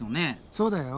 そうだよ。